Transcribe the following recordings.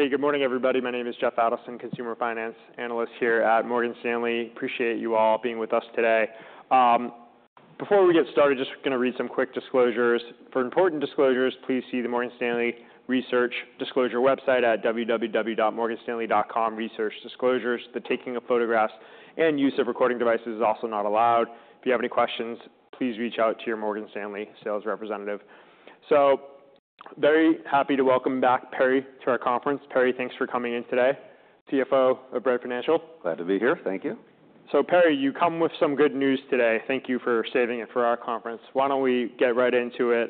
Hey, good morning, everybody. My name is Jeff Adelson, Consumer Finance Analyst here at Morgan Stanley. Appreciate you all being with us today. Before we get started, just gonna read some quick disclosures. For important disclosures, please see the Morgan Stanley Research Disclosure website at www.morganstanley.com/researchdisclosures. The taking of photographs and use of recording devices is also not allowed. If you have any questions, please reach out to your Morgan Stanley sales representative. So, very happy to welcome back Perry to our conference. Perry, thanks for coming in today. CFO of Bread Financial. Glad to be here. Thank you. So, Perry, you come with some good news today. Thank you for saving it for our conference. Why don't we get right into it?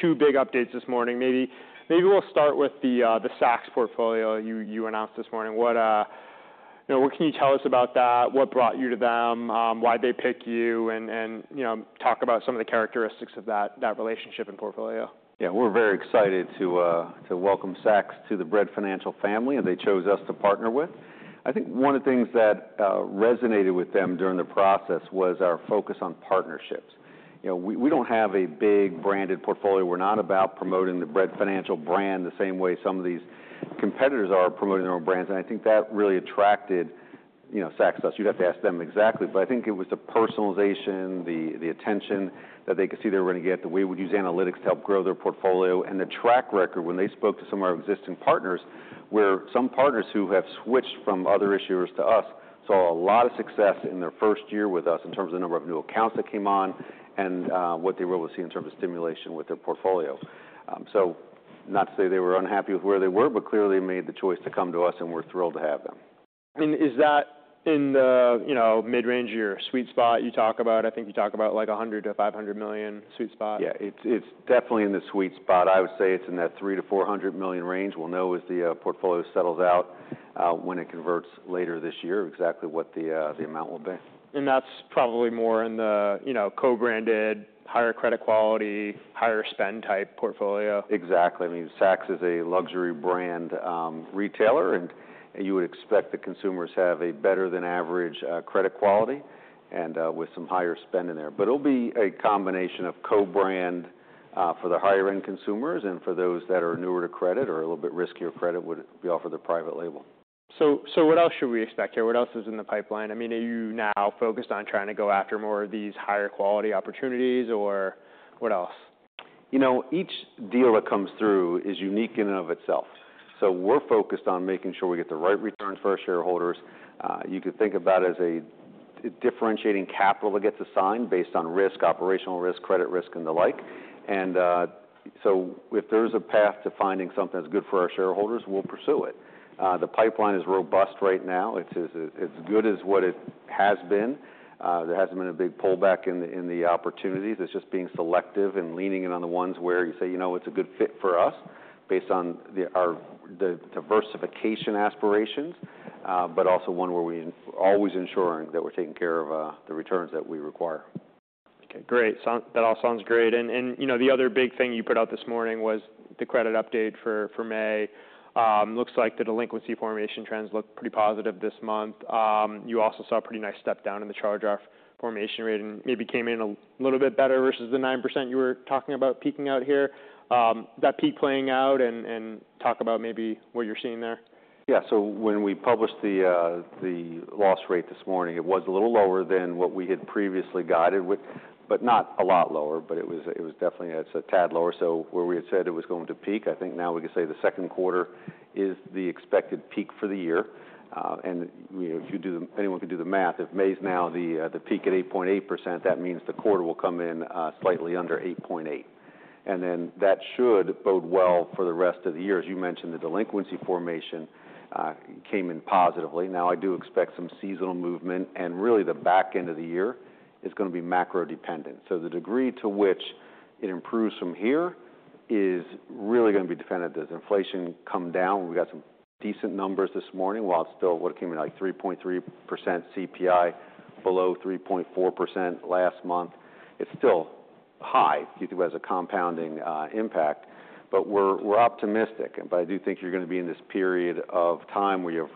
Two big updates this morning. Maybe, maybe we'll start with the Saks portfolio you announced this morning. What, you know, what can you tell us about that? What brought you to them? Why they picked you? And, you know, talk about some of the characteristics of that relationship and portfolio. Yeah, we're very excited to welcome Saks to the Bread Financial family that they chose us to partner with. I think one of the things that resonated with them during the process was our focus on partnerships. You know, we don't have a big branded portfolio. We're not about promoting the Bread Financial brand the same way some of these competitors are promoting their own brands. And I think that really attracted, you know, Saks to us. You'd have to ask them exactly. But I think it was the personalization, the attention that they could see they were gonna get, the way we'd use analytics to help grow their portfolio, and the track record when they spoke to some of our existing partners where some partners who have switched from other issuers to us saw a lot of success in their first year with us in terms of the number of new accounts that came on and what they were able to see in terms of stimulation with their portfolio. So not to say they were unhappy with where they were, but clearly they made the choice to come to us, and we're thrilled to have them. And is that in the, you know, mid-range or sweet spot you talk about? I think you talk about like $100 million-$500 million sweet spot. Yeah, it's, it's definitely in the sweet spot. I would say it's in that $300 million-$400 million range. We'll know as the, portfolio settles out, when it converts later this year exactly what the, the amount will be. That's probably more in the, you know, co-branded, higher credit quality, higher spend type portfolio. Exactly. I mean, Saks is a luxury brand, retailer, and you would expect the consumers have a better than average credit quality and, with some higher spend in there. But it'll be a combination of co-brand for the higher-end consumers and for those that are newer to credit or a little bit riskier credit would be offered the private label. So, so what else should we expect here? What else is in the pipeline? I mean, are you now focused on trying to go after more of these higher quality opportunities or what else? You know, each deal that comes through is unique in and of itself. So we're focused on making sure we get the right returns for our shareholders. You could think about it as a differentiating capital that gets assigned based on risk, operational risk, credit risk, and the like. And, so if there's a path to finding something that's good for our shareholders, we'll pursue it. The pipeline is robust right now. It's good as what it has been. There hasn't been a big pullback in the opportunities. It's just being selective and leaning in on the ones where you say, you know, it's a good fit for us based on our diversification aspirations, but also one where we're always ensuring that we're taking care of the returns that we require. Okay, great. That all sounds great. And, you know, the other big thing you put out this morning was the credit update for May. Looks like the delinquency formation trends look pretty positive this month. You also saw a pretty nice step down in the charge-off formation rate and maybe came in a little bit better versus the 9% you were talking about peaking out here. That peak playing out and talk about maybe what you're seeing there. Yeah, so when we published the loss rate this morning, it was a little lower than what we had previously guided, but not a lot lower. But it was definitely, it's a tad lower. So where we had said it was going to peak, I think now we could say the Q2 is the expected peak for the year. And, you know, if you do, anyone could do the math, if May's now the peak at 8.8%, that means the quarter will come in slightly under 8.8%. And then that should bode well for the rest of the year. As you mentioned, the delinquency formation came in positively. Now, I do expect some seasonal movement, and really the back end of the year is gonna be macro-dependent. So the degree to which it improves from here is really gonna be dependent. Does inflation come down? We got some decent numbers this morning. Well, it's still what it came in, like 3.3% CPI, below 3.4% last month. It's still high if you think about it as a compounding impact. But we're optimistic. But I do think you're gonna be in this period of time where you have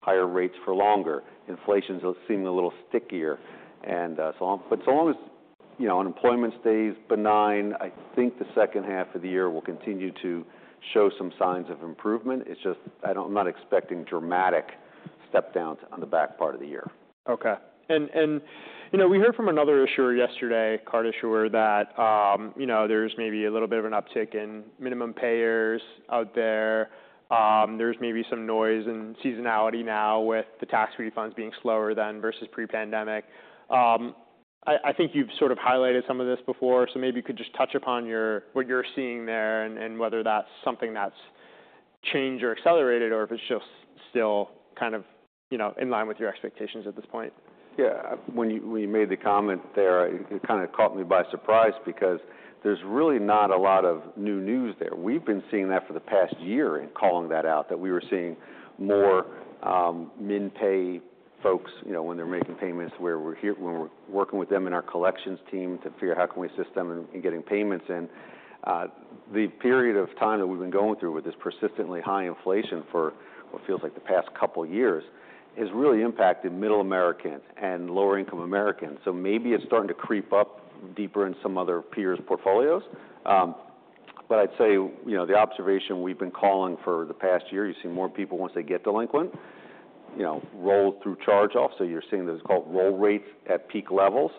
higher rates for longer. Inflation's seeming a little stickier. And so long as, you know, unemployment stays benign, I think the second half of the year will continue to show some signs of improvement. It's just, I don't, I'm not expecting dramatic step-downs on the back part of the year. Okay. And, you know, we heard from another issuer yesterday, card issuer, that, you know, there's maybe a little bit of an uptick in minimum payers out there. There's maybe some noise in seasonality now with the tax refunds being slower than versus pre-pandemic. I think you've sort of highlighted some of this before, so maybe you could just touch upon your, what you're seeing there and whether that's something that's changed or accelerated or if it's just still kind of, you know, in line with your expectations at this point. Yeah, when you, when you made the comment there, it kinda caught me by surprise because there's really not a lot of new news there. We've been seeing that for the past year and calling that out, that we were seeing more min-pay folks, you know, when they're making payments where we're here, when we're working with them in our collections team to figure out how can we assist them in getting payments in. The period of time that we've been going through with this persistently high inflation for what feels like the past couple of years has really impacted middle Americans and lower-income Americans. So maybe it's starting to creep up deeper in some other peers' portfolios. But I'd say, you know, the observation we've been calling for the past year, you see more people, once they get delinquent, you know, roll through charge-off. So you're seeing those called roll rates at peak levels.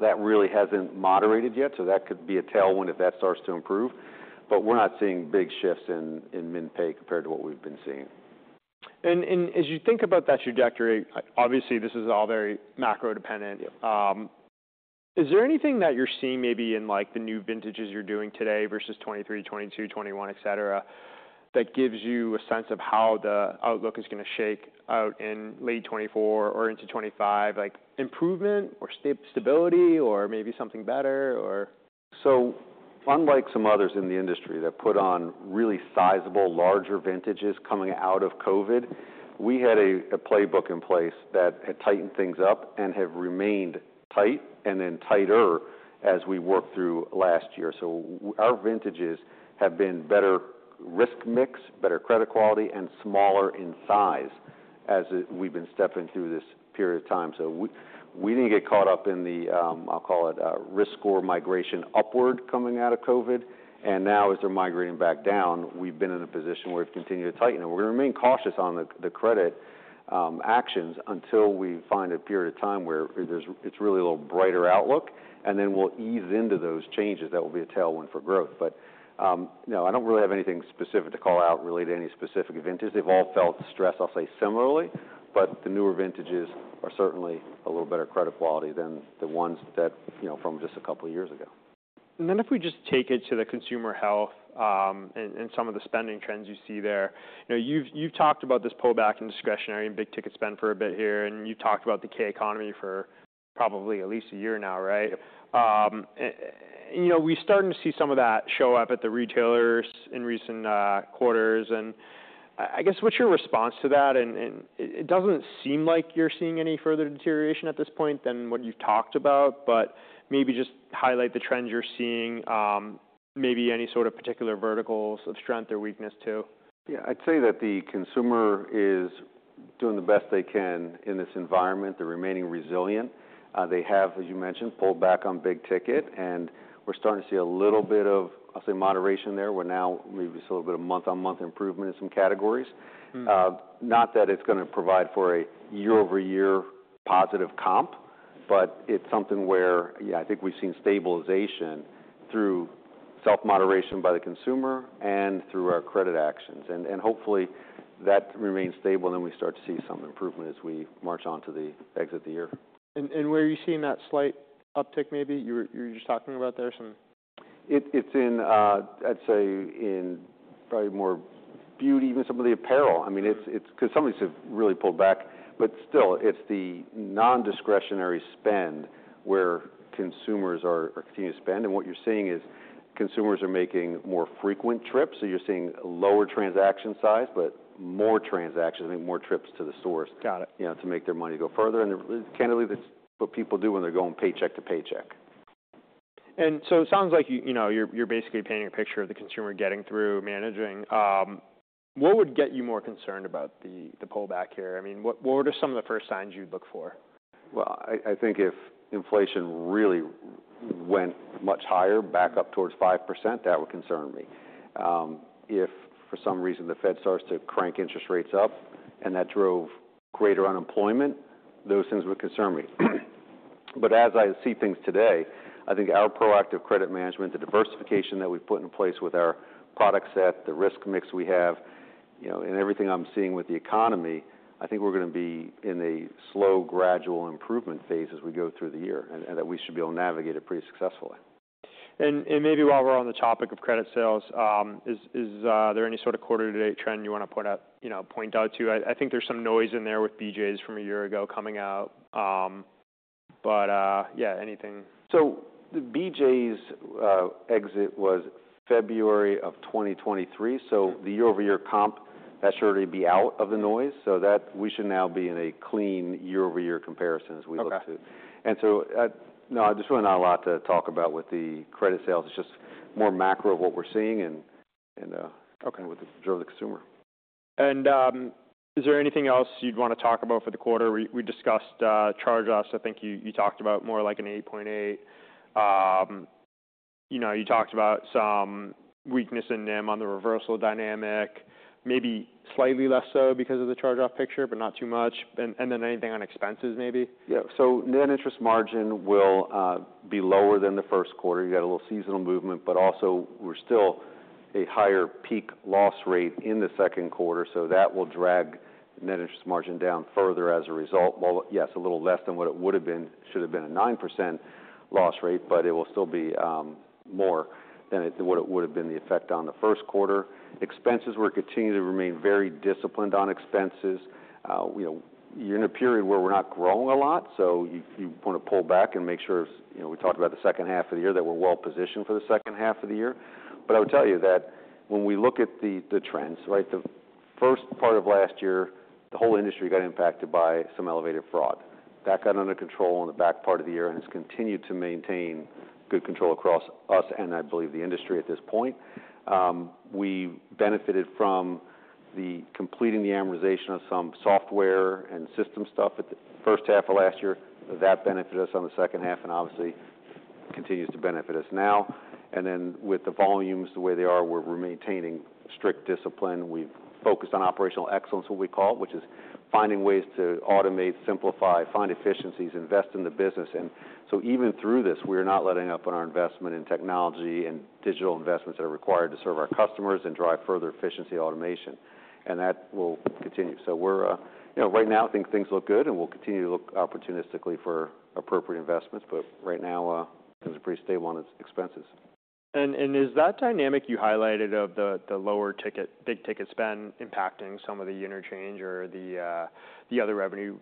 That really hasn't moderated yet, so that could be a tailwind if that starts to improve. But we're not seeing big shifts in min-pay compared to what we've been seeing. And as you think about that trajectory, obviously this is all very macro-dependent. Yep. Is there anything that you're seeing maybe in like the new vintages you're doing today versus 2023, 2022, 2021, etc., that gives you a sense of how the outlook is gonna shake out in late 2024 or into 2025, like improvement or stability or maybe something better or? So unlike some others in the industry that put on really sizable, larger vintages coming out of COVID, we had a playbook in place that had tightened things up and have remained tight and then tighter as we worked through last year. So our vintages have been better risk mix, better credit quality, and smaller in size as we've been stepping through this period of time. So we didn't get caught up in the, I'll call it, risk score migration upward coming out of COVID. And now as they're migrating back down, we've been in a position where we've continued to tighten. And we're gonna remain cautious on the credit actions until we find a period of time where there's, it's really a little brighter outlook, and then we'll ease into those changes. That will be a tailwind for growth. But, no, I don't really have anything specific to call out related to any specific vintage. They've all felt stress, I'll say, similarly, but the newer vintages are certainly a little better credit quality than the ones that, you know, from just a couple of years ago. And then if we just take it to the consumer health, and some of the spending trends you see there, you know, you've talked about this pullback in discretionary and big-ticket spend for a bit here, and you've talked about the K-economy for probably at least a year now, right? Yep. You know, we starting to see some of that show up at the retailers in recent quarters. I guess what's your response to that? It doesn't seem like you're seeing any further deterioration at this point than what you've talked about, but maybe just highlight the trends you're seeing, maybe any sort of particular verticals of strength or weakness too. Yeah, I'd say that the consumer is doing the best they can in this environment. They're remaining resilient. They have, as you mentioned, pulled back on big ticket, and we're starting to see a little bit of, I'll say, moderation there. We're now maybe seeing a little bit of month-on-month improvement in some categories. Not that it's gonna provide for a year-over-year positive comp, but it's something where, yeah, I think we've seen stabilization through self-moderation by the consumer and through our credit actions. And, and hopefully that remains stable, and then we start to see some improvement as we march on to the exit of the year. And where are you seeing that slight uptick? Maybe you were just talking about there some? It's in, I'd say, in probably more beauty, even some of the apparel. I mean, it's 'cause some of these have really pulled back. But still, it's the non-discretionary spend where consumers are continuing to spend. And what you're seeing is consumers are making more frequent trips. So you're seeing lower transaction size, but more transactions, I mean, more trips to the stores. Got it. You know, to make their money go further. Candidly, that's what people do when they're going paycheck to paycheck. And so it sounds like you know you're basically painting a picture of the consumer getting through, managing. What would get you more concerned about the pullback here? I mean, what are some of the first signs you'd look for? Well, I think if inflation really went much higher, back up towards 5%, that would concern me. If for some reason the Fed starts to crank interest rates up and that drove greater unemployment, those things would concern me. But as I see things today, I think our proactive credit management, the diversification that we've put in place with our product set, the risk mix we have, you know, and everything I'm seeing with the economy, I think we're gonna be in a slow, gradual improvement phase as we go through the year and that we should be able to navigate it pretty successfully. Maybe while we're on the topic of credit sales, is there any sort of quarter-to-date trend you wanna put out, you know, point out to? I think there's some noise in there with BJ's from a year ago coming out, but yeah, anything? The BJ's exit was February of 2023. The year-over-year comp, that should already be out of the noise. That we should now be in a clean year-over-year comparison as we look to. Okay. And so, no, there's really not a lot to talk about with the credit sales. It's just more macro of what we're seeing and, and, Okay. With the joy of the consumer. Is there anything else you'd wanna talk about for the quarter? We discussed charge-offs. I think you talked about more like an 8.8. You know, you talked about some weakness in them on the reversal dynamic, maybe slightly less so because of the charge-off picture, but not too much. And then anything on expenses, maybe? Yeah, so net interest margin will be lower than the Q1. You got a little seasonal movement, but also we're still a higher peak loss rate in the Q2. So that will drag net interest margin down further as a result. While, yes, a little less than what it would have been, should have been a 9% loss rate, but it will still be more than what it would have been, the effect on the Q1. Expenses, we're continuing to remain very disciplined on expenses. You know, you're in a period where we're not growing a lot, so you wanna pull back and make sure, you know, we talked about the second half of the year that we're well-positioned for the second half of the year. But I would tell you that when we look at the trends, right, the first part of last year, the whole industry got impacted by some elevated fraud. That got under control in the back part of the year and has continued to maintain good control across us and I believe the industry at this point. We benefited from the completing the amortization of some software and system stuff at the first half of last year. That benefited us on the second half and obviously continues to benefit us now. And then with the volumes, the way they are, we're maintaining strict discipline. We've focused on operational excellence, what we call it, which is finding ways to automate, simplify, find efficiencies, invest in the business. And so even through this, we're not letting up on our investment in technology and digital investments that are required to serve our customers and drive further efficiency automation. And that will continue. So we're, you know, right now I think things look good and we'll continue to look opportunistically for appropriate investments. But right now, things are pretty stable on expenses. And is that dynamic you highlighted of the lower ticket, big ticket spend impacting some of the interchange or the other revenue,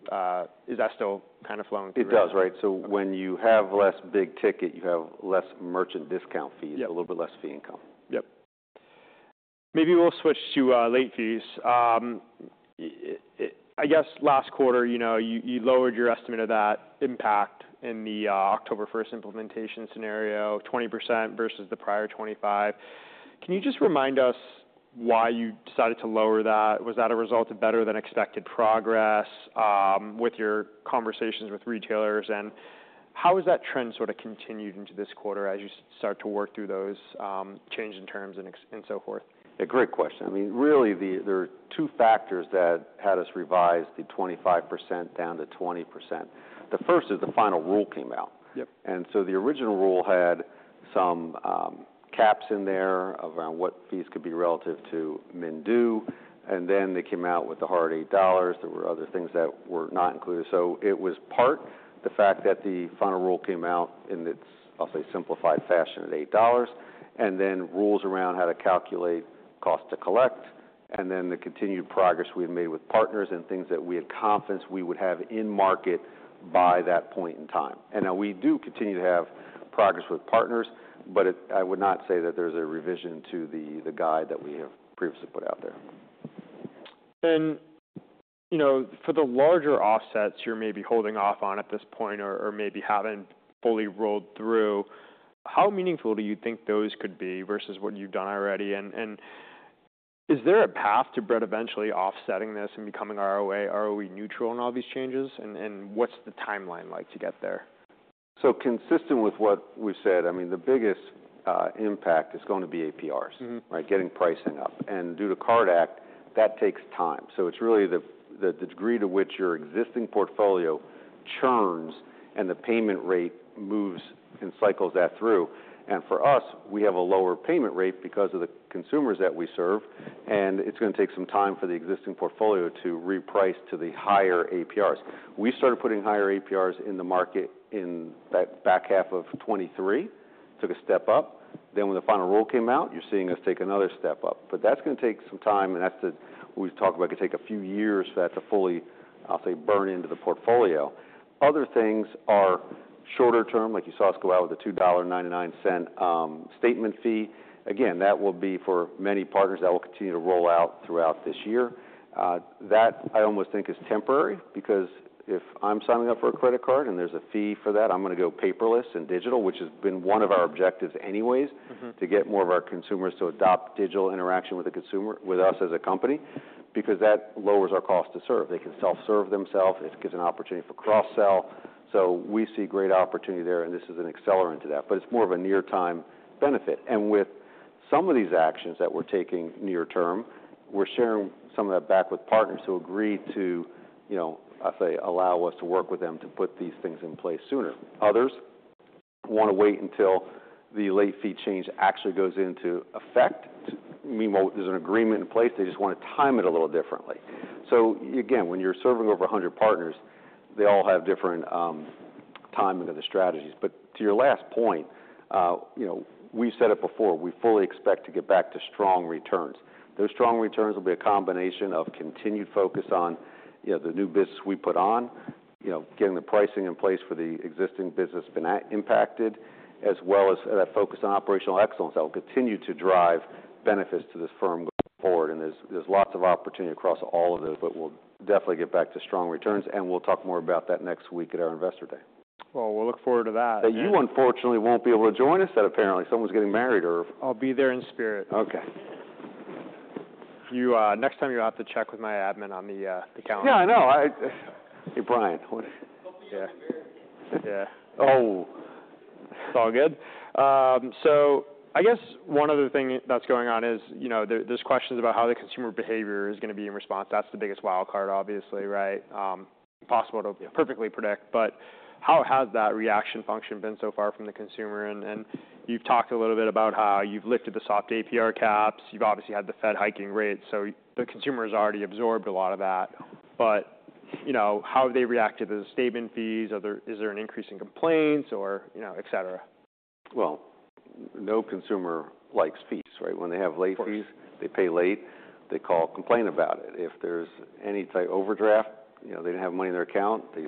is that still kinda flowing through? It does, right? So when you have less big ticket, you have less merchant discount fees. Yep. A little bit less fee income. Yep. Maybe we'll switch to late fees. I guess last quarter, you know, you, you lowered your estimate of that impact in the October 1st implementation scenario, 20% versus the prior 25%. Can you just remind us why you decided to lower that? Was that a result of better-than-expected progress with your conversations with retailers? And how has that trend sort of continued into this quarter as you start to work through those change in terms and ex and so forth? Yeah, great question. I mean, really the, there are two factors that had us revise the 25% down to 20%. The first is the final rule came out. Yep. The original rule had some caps in there around what fees could be relative to min due. Then they came out with the hard $8. There were other things that were not included. So it was part, the fact that the final rule came out in its, I'll say, simplified fashion at $8, and then rules around how to calculate cost to collect, and then the continued progress we had made with partners and things that we had confidence we would have in market by that point in time. Now we do continue to have progress with partners, but I would not say that there's a revision to the guide that we have previously put out there. You know, for the larger offsets you're maybe holding off on at this point or, or maybe haven't fully rolled through, how meaningful do you think those could be versus what you've done already? And, and is there a path to Bread eventually offsetting this and becoming ROA, ROE neutral in all these changes? And, and what's the timeline like to get there? Consistent with what we've said, I mean, the biggest impact is going to be APRs. Right, getting pricing up. And due to CARD Act, that takes time. So it's really the degree to which your existing portfolio churns and the payment rate moves and cycles that through. And for us, we have a lower payment rate because of the consumers that we serve. And it's gonna take some time for the existing portfolio to reprice to the higher APRs. We started putting higher APRs in the market in that back half of 2023, took a step up. Then when the final rule came out, you're seeing us take another step up. But that's gonna take some time, and that's the, we've talked about it could take a few years for that to fully, I'll say, burn into the portfolio. Other things are shorter term, like you saw us go out with the $2.99 statement fee. Again, that will be for many partners that will continue to roll out throughout this year. That I almost think is temporary because if I'm signing up for a credit card and there's a fee for that, I'm gonna go paperless and digital, which has been one of our objectives anyways. To get more of our consumers to adopt digital interaction with the consumer with us as a company because that lowers our cost to serve. They can self-serve themselves. It gives an opportunity for cross-sell. So we see great opportunity there, and this is an accelerant to that. But it's more of a near-time benefit. And with some of these actions that we're taking near term, we're sharing some of that back with partners who agree to, you know, I'll say, allow us to work with them to put these things in place sooner. Others wanna wait until the late fee change actually goes into effect. I mean, well, there's an agreement in place. They just wanna time it a little differently. So again, when you're serving over 100 partners, they all have different timing of the strategies. But to your last point, you know, we've said it before, we fully expect to get back to strong returns. Those strong returns will be a combination of continued focus on, you know, the new business we put on, you know, getting the pricing in place for the existing business been impacted, as well as that focus on operational excellence that will continue to drive benefits to this firm going forward. And there's lots of opportunity across all of those, but we'll definitely get back to strong returns. And we'll talk more about that next week at our Investor Day. Well, we'll look forward to that. That you unfortunately won't be able to join us, that apparently someone's getting married or. I'll be there in spirit. Okay. You, next time you'll have to check with my admin on the calendar. Yeah, I know. Hey, Brian, what? Hope you're doing very well. Yeah. Oh. It's all good? So I guess one other thing that's going on is, you know, there, there's questions about how the consumer behavior is gonna be in response. That's the biggest wildcard, obviously, right? possible to perfectly predict. But how has that reaction function been so far from the consumer? And you've talked a little bit about how you've lifted the soft APR caps. You've obviously had the Fed hiking rates. So the consumer has already absorbed a lot of that. But, you know, how have they reacted to the statement fees? Is there an increase in complaints or, you know, etc.? Well, no consumer likes fees, right? When they have late fees. Of course. They pay late. They call, complain about it. If there's any type overdraft, you know, they didn't have money in their account, they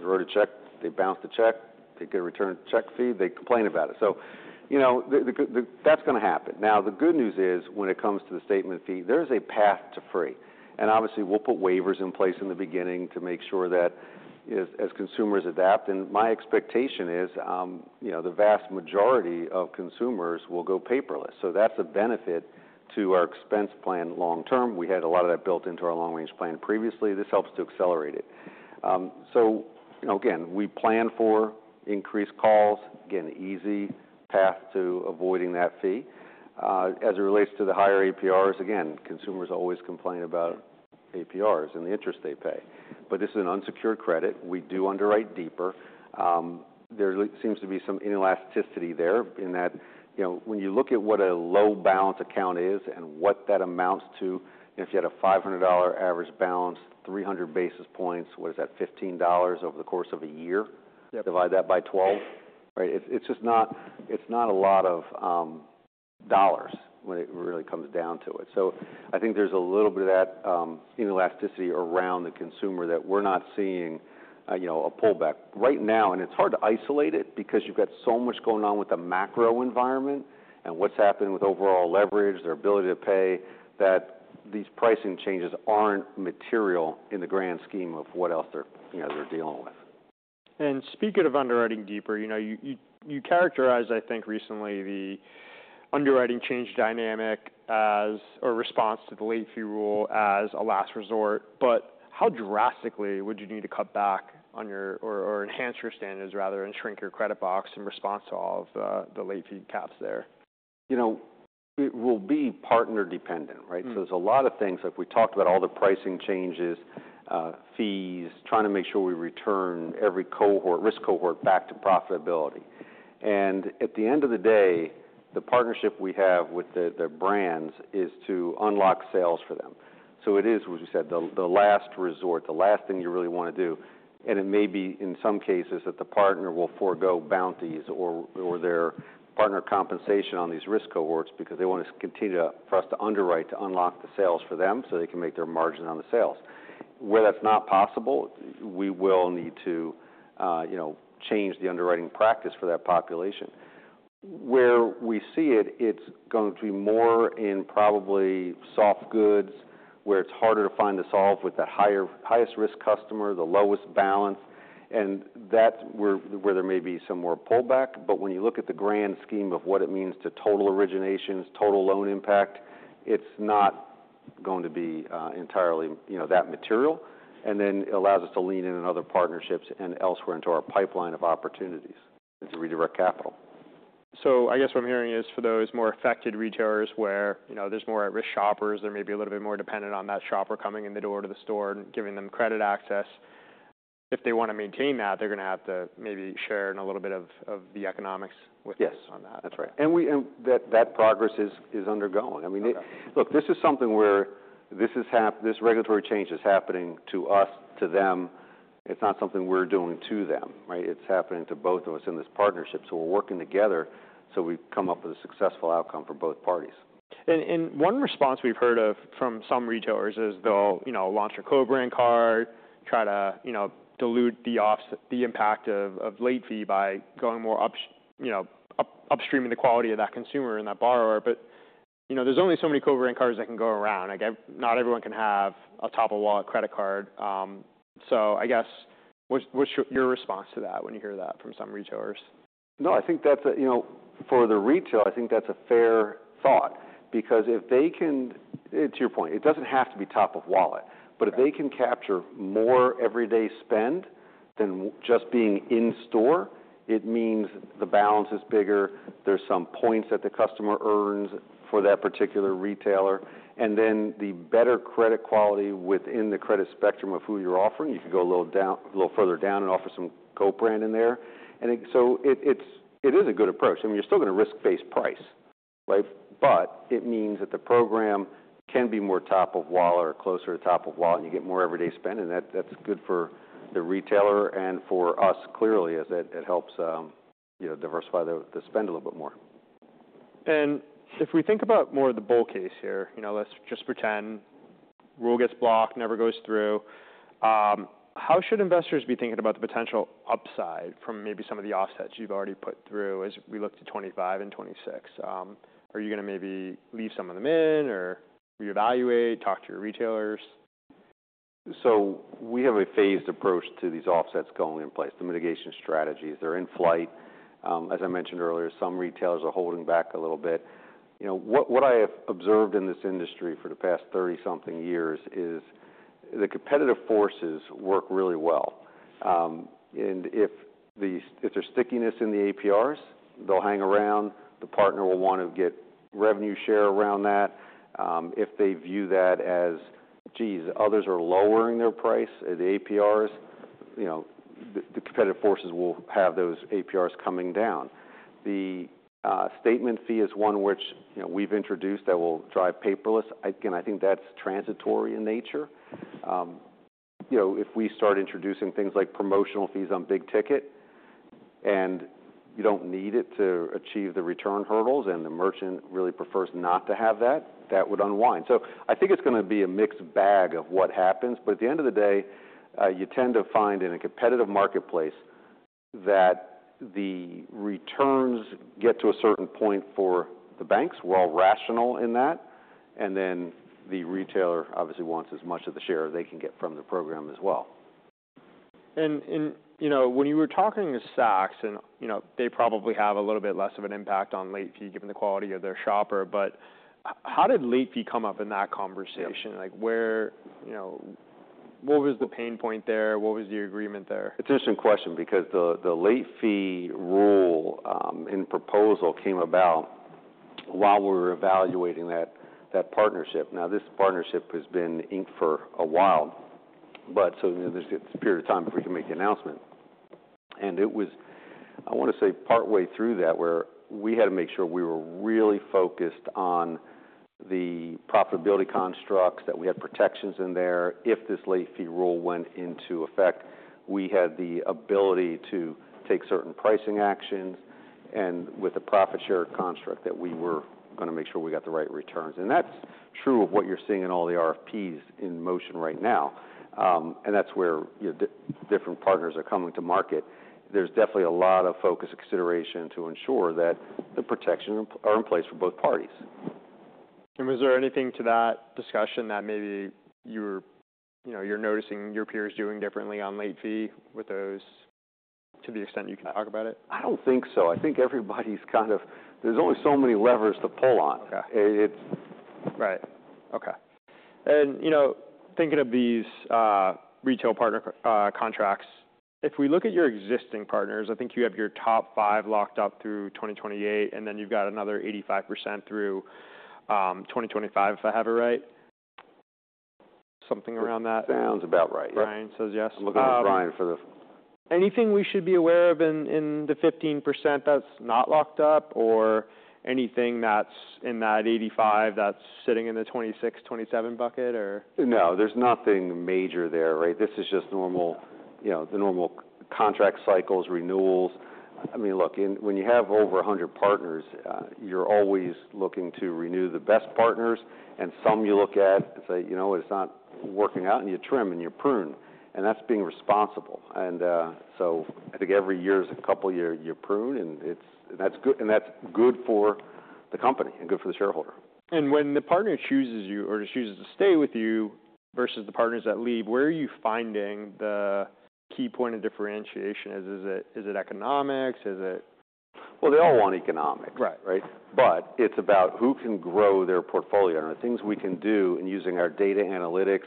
wrote a check, they bounced the check, they get a returned check fee, they complain about it. So, you know, that's gonna happen. Now, the good news is when it comes to the statement fee, there is a path to free. And obviously, we'll put waivers in place in the beginning to make sure that as, as consumers adapt. And my expectation is, you know, the vast majority of consumers will go paperless. So that's a benefit to our expense plan long term. We had a lot of that built into our long-range plan previously. This helps to accelerate it. So, you know, again, we plan for increased calls, again, easy path to avoiding that fee. As it relates to the higher APRs, again, consumers always complain about APRs and the interest they pay. But this is an unsecured credit. We do underwrite deeper. There seems to be some inelasticity there in that, you know, when you look at what a low balance account is and what that amounts to, if you had a $500 average balance, 300 basis points, what is that, $15 over the course of a year? Yep. Divide that by 12, right? It's just not a lot of dollars when it really comes down to it. So I think there's a little bit of that inelasticity around the consumer that we're not seeing, you know, a pullback right now. And it's hard to isolate it because you've got so much going on with the macro environment and what's happening with overall leverage, their ability to pay, that these pricing changes aren't material in the grand scheme of what else they're, you know, they're dealing with. And speaking of underwriting deeper, you know, you characterized, I think recently, the underwriting change dynamic as our response to the late fee rule as a last resort. But how drastically would you need to cut back on your, or enhance your standards rather and shrink your credit box in response to all of the late fee caps there? You know, it will be partner-dependent, right? So there's a lot of things, like we talked about, all the pricing changes, fees, trying to make sure we return every cohort, risk cohort, back to profitability. And at the end of the day, the partnership we have with the, the brands is to unlock sales for them. So it is, as we said, the, the last resort, the last thing you really wanna do. And it may be in some cases that the partner will forego bounties or, or their partner compensation on these risk cohorts because they wanna continue to, for us to underwrite to unlock the sales for them so they can make their margin on the sales. Where that's not possible, we will need to, you know, change the underwriting practice for that population. Where we see it, it's going to be more in probably soft goods where it's harder to find the solve with that higher, highest risk customer, the lowest balance. And that's where, where there may be some more pullback. But when you look at the grand scheme of what it means to total originations, total loan impact, it's not going to be, entirely, you know, that material. And then it allows us to lean in on other partnerships and elsewhere into our pipeline of opportunities to redirect capital. I guess what I'm hearing is for those more affected retailers where, you know, there's more at-risk shoppers, they may be a little bit more dependent on that shopper coming in the door to the store and giving them credit access. If they wanna maintain that, they're gonna have to maybe share in a little bit of the economics with. Yes. On that. That's right. And that progress is undergoing. I mean. Okay. Look, this is something where this regulatory change is happening to us, to them. It's not something we're doing to them, right? It's happening to both of us in this partnership. So we're working together so we come up with a successful outcome for both parties. One response we've heard of from some retailers is they'll, you know, launch a co-brand card, try to, you know, dilute the offset of the impact of late fee by going more up, you know, upstreaming the quality of that consumer and that borrower. But, you know, there's only so many co-brand cards that can go around. Again, not everyone can have a top-of-wallet credit card. So I guess what's your response to that when you hear that from some retailers? No, I think that's, you know, for the retail, I think that's a fair thought because if they can, to your point, it doesn't have to be top-of-wallet. But if they can capture more everyday spend than just being in store, it means the balance is bigger. There's some points that the customer earns for that particular retailer. And then the better credit quality within the credit spectrum of who you're offering, you can go a little down, a little further down and offer some co-brand in there. And so it's a good approach. I mean, you're still gonna risk-based price, right? But it means that the program can be more top-of-wallet or closer to top-of-wallet and you get more everyday spend. And that, that's good for the retailer and for us clearly as that, it helps, you know, diversify the spend a little bit more. If we think about more of the bull case here, you know, let's just pretend rule gets blocked, never goes through. How should investors be thinking about the potential upside from maybe some of the offsets you've already put through as we look to 2025 and 2026? Are you gonna maybe leave some of them in or reevaluate, talk to your retailers? So we have a phased approach to these offsets going in place. The mitigation strategies, they're in flight. As I mentioned earlier, some retailers are holding back a little bit. You know, what I have observed in this industry for the past 30-something years is the competitive forces work really well. And if there's stickiness in the APRs, they'll hang around. The partner will wanna get revenue share around that. If they view that as, geez, others are lowering their price at the APRs, you know, the competitive forces will have those APRs coming down. The statement fee is one which, you know, we've introduced that will drive paperless. Again, I think that's transitory in nature. You know, if we start introducing things like promotional fees on big ticket and you don't need it to achieve the return hurdles and the merchant really prefers not to have that, that would unwind. So I think it's gonna be a mixed bag of what happens. But at the end of the day, you tend to find in a competitive marketplace that the returns get to a certain point for the banks. We're all rational in that. And then the retailer obviously wants as much of the share they can get from the program as well. You know, when you were talking to Saks and, you know, they probably have a little bit less of an impact on late fee given the quality of their shopper. But how did late fee come up in that conversation? Like where, you know, what was the pain point there? What was the agreement there? It's an interesting question because the late fee rule in proposal came about while we were evaluating that partnership. Now, this partnership has been inked for a while, but so there's a period of time before we can make the announcement. And it was, I wanna say partway through that where we had to make sure we were really focused on the profitability constructs that we had protections in there. If this late fee rule went into effect, we had the ability to take certain pricing actions and with the profit share construct that we were gonna make sure we got the right returns. And that's true of what you're seeing in all the RFPs in motion right now. And that's where, you know, different partners are coming to market. There's definitely a lot of focus and consideration to ensure that the protections are in place for both parties. Was there anything to that discussion that maybe you were, you know, you're noticing your peers doing differently on late fee with those to the extent you can talk about it? I don't think so. I think everybody's kind of, there's only so many levers to pull on. Okay. It, it's. Right. Okay. And, you know, thinking of these retail partner contracts, if we look at your existing partners, I think you have your top five locked up through 2028, and then you've got another 85% through 2025, if I have it right. Something around that? Sounds about right, yeah. Brian says yes. I'm looking at Brian for the. Anything we should be aware of in the 15% that's not locked up or anything that's in that 85% that's sitting in the 26-27 bucket or? No, there's nothing major there, right? This is just normal, you know, the normal contract cycles, renewals. I mean, look, when you have over 100 partners, you're always looking to renew the best partners. And some you look at and say, you know what, it's not working out and you trim and you prune. And that's being responsible. And so I think every year is a couple year, you prune and it's, and that's good, and that's good for the company and good for the shareholder. When the partner chooses you or chooses to stay with you versus the partners that leave, where are you finding the key point of differentiation? Is it, is it economics? Is it? Well, they all want economics. Right. Right? But it's about who can grow their portfolio and the things we can do in using our data analytics,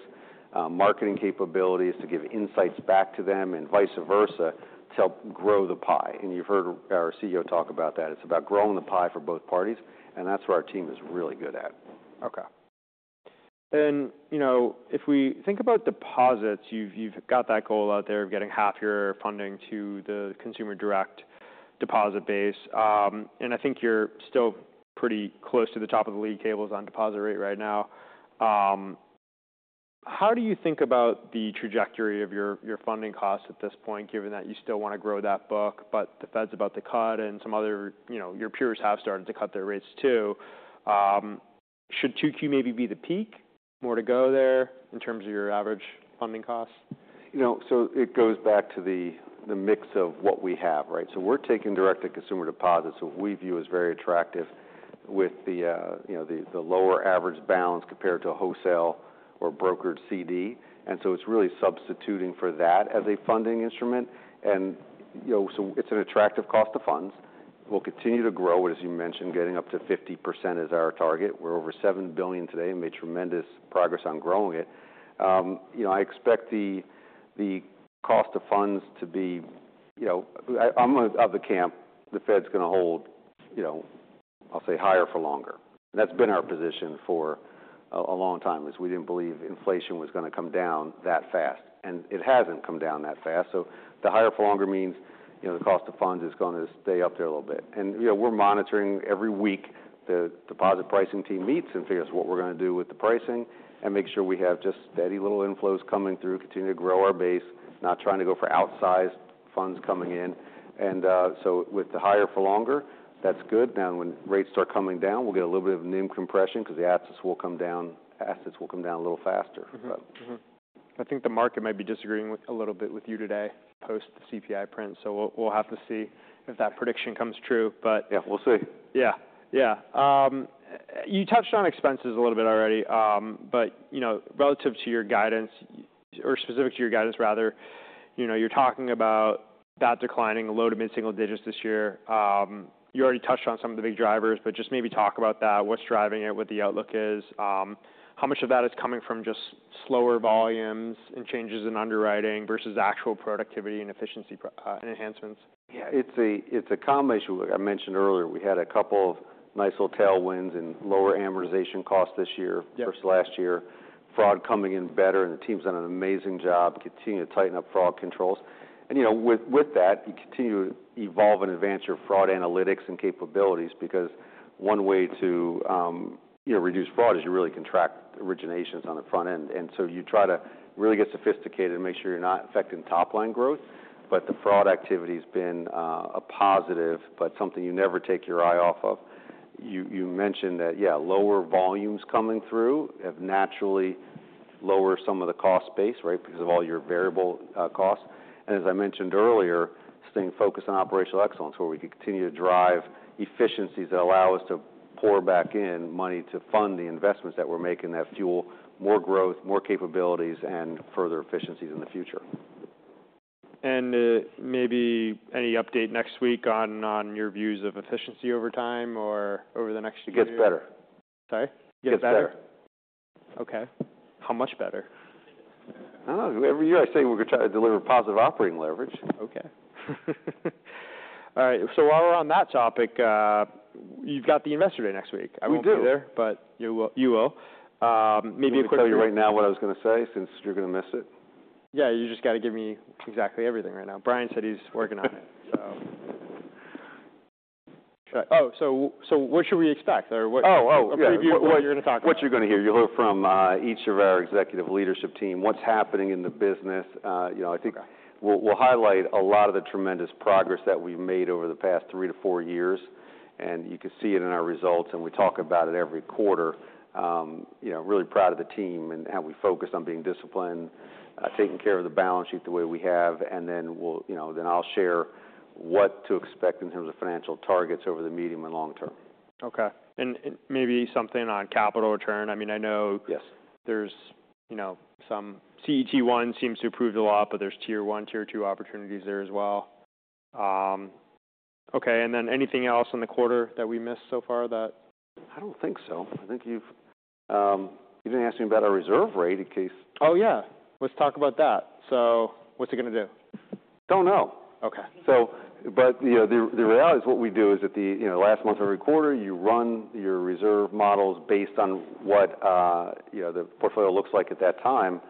marketing capabilities to give insights back to them and vice versa to help grow the pie. And you've heard our CEO talk about that. It's about growing the pie for both parties. And that's where our team is really good at. Okay. And, you know, if we think about deposits, you've, you've got that goal out there of getting half your funding to the consumer direct deposit base. And I think you're still pretty close to the top of the league tables on deposit rate right now. How do you think about the trajectory of your, your funding costs at this point given that you still wanna grow that book, but the Fed's about to cut and some other, you know, your peers have started to cut their rates too? Should 2Q maybe be the peak? More to go there in terms of your average funding costs? You know, so it goes back to the, the mix of what we have, right? So we're taking direct to consumer deposits that we view as very attractive with the, you know, the, the lower average balance compared to a wholesale or brokered CD. And, you know, so it's really substituting for that as a funding instrument. And, you know, so it's an attractive cost of funds. We'll continue to grow it, as you mentioned, getting up to 50% is our target. We're over $7 billion today and made tremendous progress on growing it. You know, I expect the, the cost of funds to be, you know, I'm of the camp the Fed's gonna hold, you know, I'll say higher for longer. That's been our position for a, a long time is we didn't believe inflation was gonna come down that fast. And it hasn't come down that fast. So the higher for longer means, you know, the cost of funds is gonna stay up there a little bit. You know, we're monitoring every week the deposit pricing team meets and figures what we're gonna do with the pricing and make sure we have just steady little inflows coming through, continue to grow our base, not trying to go for outsized funds coming in. So with the higher for longer, that's good. Now, when rates start coming down, we'll get a little bit of NIM compression 'cause the assets will come down, assets will come down a little faster. I think the market might be disagreeing a little bit with you today post the CPI print. So we'll have to see if that prediction comes true, but. Yeah, we'll see. Yeah. Yeah. You touched on expenses a little bit already. But, you know, relative to your guidance or specific to your guidance rather, you know, you're talking about that declining, low to mid-single digits this year. You already touched on some of the big drivers, but just maybe talk about that. What's driving it, what the outlook is? How much of that is coming from just slower volumes and changes in underwriting versus actual productivity and efficiency, and enhancements? Yeah. It's a, it's a combination. Like I mentioned earlier, we had a couple of nice little tailwinds in lower amortization costs this year. Yep. Versus last year. Fraud coming in better. And the team's done an amazing job continuing to tighten up fraud controls. And, you know, with, with that, you continue to evolve and advance your fraud analytics and capabilities because one way to, you know, reduce fraud is you really constrict originations on the front end. And so you try to really get sophisticated and make sure you're not affecting top-line growth. But the fraud activity has been a positive, but something you never take your eye off of. You, you mentioned that, yeah, lower volumes coming through have naturally lowered some of the cost base, right, because of all your variable costs. As I mentioned earlier, staying focused on operational excellence where we can continue to drive efficiencies that allow us to pour back in money to fund the investments that we're making that fuel more growth, more capabilities, and further efficiencies in the future. Maybe any update next week on your views of efficiency over time or over the next year? It gets better. Sorry? Gets better? It gets better. Okay. How much better? I don't know. Every year I say we're gonna try to deliver positive operating leverage. Okay. All right. So while we're on that topic, you've got the Investor Day next week. We do. I won't be there, but you will, you will. Maybe a quick. I can tell you right now what I was gonna say since you're gonna miss it. Yeah. You just gotta give me exactly everything right now. Brian said he's working on it, so. Oh, so, so what should we expect or what? Oh, oh. What you're gonna talk about? What you're gonna hear. You'll hear from each of our executive leadership team what's happening in the business. You know, I think we'll highlight a lot of the tremendous progress that we've made over the past 3-4 years. You can see it in our results. We talk about it every quarter. You know, really proud of the team and how we focus on being disciplined, taking care of the balance sheet the way we have. Then we'll, you know, then I'll share what to expect in terms of financial targets over the medium and long term. Okay. Maybe something on capital return. I mean, I know. Yes. There's, you know, some CET1 seems to have improved a lot, but there's Tier 1, Tier 2 opportunities there as well. Okay. And then anything else in the quarter that we missed so far that? I don't think so. I think you didn't ask me about our reserve rate in case. Oh, yeah. Let's talk about that. So what's it gonna do? Don't know. Okay. You know, the reality is what we do is that, you know, last month every quarter, you run your reserve models based on what, you know, the portfolio looks like at that time.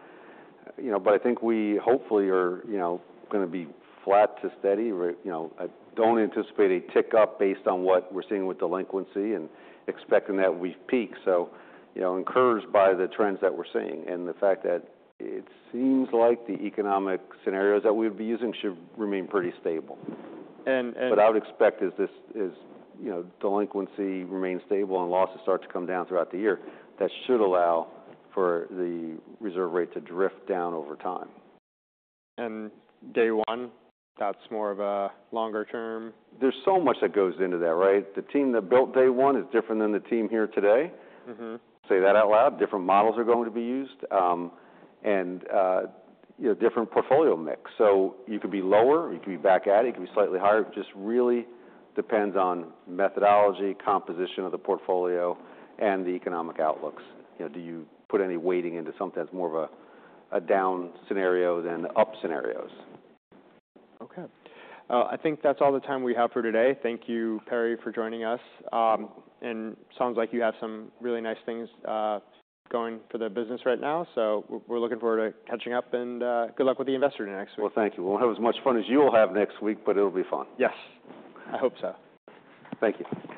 You know, I think we hopefully are, you know, gonna be flat to steady. You know, I don't anticipate a tick up based on what we're seeing with delinquency and expecting that we've peaked. You know, encouraged by the trends that we're seeing and the fact that it seems like the economic scenarios that we would be using should remain pretty stable. And, and. What I would expect is this, you know, delinquency remains stable and losses start to come down throughout the year. That should allow for the reserve rate to drift down over time. Day 1, that's more of a longer term? There's so much that goes into that, right? The team that built Day 1 is different than the team here today. Say that out loud. Different models are going to be used. You know, different portfolio mix. You could be lower, you could be back at it, you could be slightly higher. Just really depends on methodology, composition of the portfolio, and the economic outlooks. You know, do you put any weighting into something that's more of a down scenario than up scenarios? Okay. I think that's all the time we have for today. Thank you, Perry, for joining us. Sounds like you have some really nice things going for the business right now. So we're looking forward to catching up and good luck with the Investor day next week. Well, thank you. We'll have as much fun as you'll have next week, but it'll be fun. Yes. I hope so. Thank you.